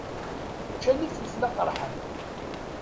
Ččant ifelfel aqeṛḥan.